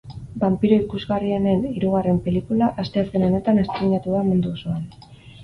Banpiro ikusgarrienen hirugarren pelikula asteazken honetan estreinatu da mundu osoan.